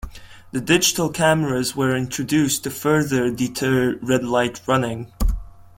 The digital cameras were introduced to further deter red-light running.